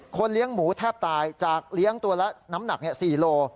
เลี้ยงหมูแทบตายจากเลี้ยงตัวละน้ำหนัก๔โล